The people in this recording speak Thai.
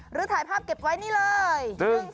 หรือถ่ายภาพเก็บไว้นี่เลย